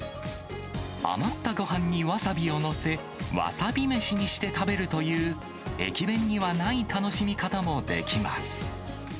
余ったごはんにわさびを載せ、わさび飯にして食べるという、駅弁にはない楽しみ方もできます。